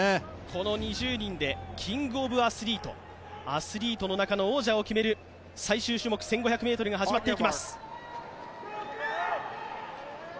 この２０人でキングオブアスリート、アスリートの中の王者を決める最終種目１５００ｍが始まります。